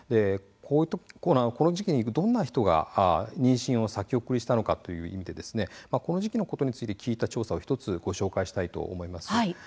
この時期にどんな人が妊娠を先送りしたのかこの時期のことについて聞いた調査の１つをご紹介したいと思います。